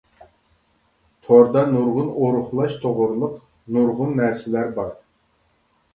توردا نۇرغۇن ئورۇقلاش توغرىلىق نۇرغۇن نەرسىلەر بار.